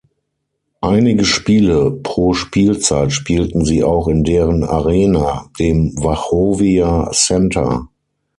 Einige Spiele pro Spielzeit spielten sie auch in deren Arena, dem Wachovia Center.